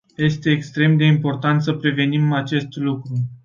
Este extrem de important să prevenim acest lucru.